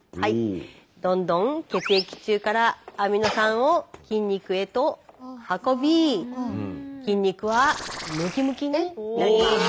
どんどん血液中からアミノ酸を筋肉へと運び筋肉はムキムキになります。